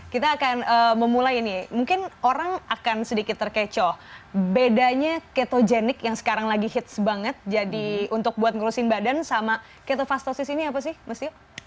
kita akan memulai nih mungkin orang akan sedikit terkecoh bedanya ketogenik yang sekarang lagi hits banget jadi untuk buat ngurusin badan sama ketofastosis ini apa sih mas yo